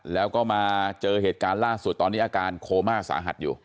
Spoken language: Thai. แล้วก็มาเจอเหตุการณ์ล่าสุดตอนนี้อาการโคม่าสาหัสอยู่